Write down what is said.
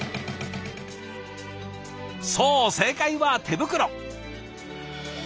そう正解は手袋。